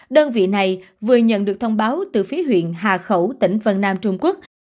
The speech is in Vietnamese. đơn vị này vừa nhận được thông báo từ phía huyện hà khẩu tỉnh vân nam trung quốc